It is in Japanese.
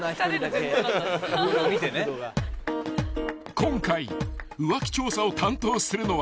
［今回浮気調査を担当するのは］